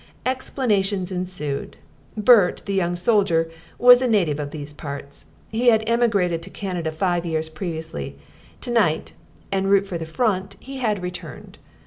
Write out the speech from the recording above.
Explanations ensued. Bert, the young soldier, was a native of these parts. He had emigrated to Canada five years previously. To night, en route for the front, he had returned.